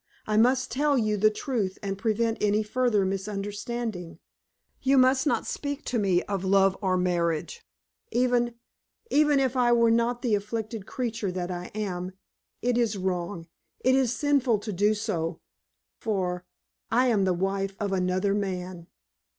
I must tell you the truth and prevent any further misunderstanding. You must not speak to me of love or marriage. Even even if I were not the afflicted creature that I am, it is wrong, it is sinful to do so; for I am the wife of another man!"